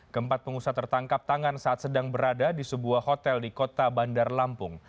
keempat pengusaha tertangkap tangan saat sedang berada di sebuah hotel di kota bandar lampung